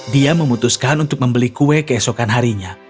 dia memutuskan untuk membeli kue keesokan harinya